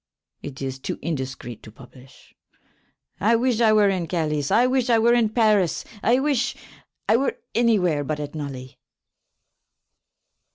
It is too indiscrete to publysh. I wysh I were at Calys. I wysh I were at Parys. I wysh I were anywhere but at Nully.